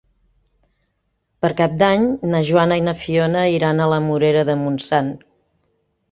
Per Cap d'Any na Joana i na Fiona iran a la Morera de Montsant.